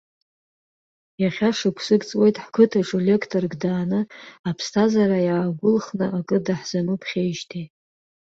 Иахьа шықәсык ҵуеит ҳқыҭаҿы леқторк дааны аԥсҭазаара иаагәылхны акы даҳзамыԥхьеижьҭеи.